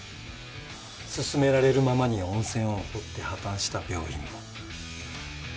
勧められるままに温泉を掘って破綻した病院も。